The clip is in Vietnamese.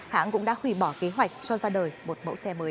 hãng cũng đã hủy bỏ kế hoạch cho ra đời một mẫu xe mới